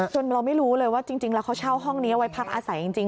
เราไม่รู้เลยว่าจริงแล้วเขาเช่าห้องนี้เอาไว้พักอาศัยจริง